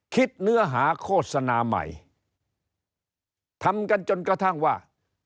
เนื้อหาโฆษณาใหม่ทำกันจนกระทั่งว่า